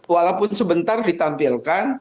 walaupun sebentar ditampilkan